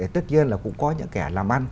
tất nhiên là cũng có những kẻ làm